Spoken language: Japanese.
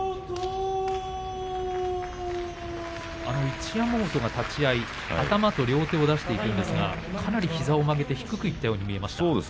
一山本が立ち合い、頭と両手を出していくんですがかなり膝を曲げて低くいったように見えました。